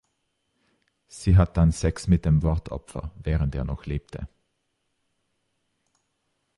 Sie hat dann Sex mit dem Mordopfer (während er noch lebte).